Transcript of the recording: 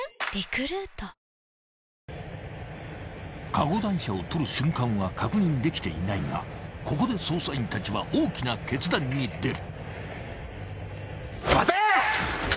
［カゴ台車を取る瞬間は確認できていないがここで捜査員たちは大きな決断に出る］